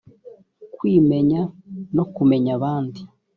kwimenya no kumenya abandi